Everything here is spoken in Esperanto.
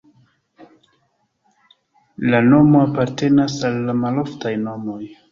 La nomo apartenas al la maloftaj nomoj.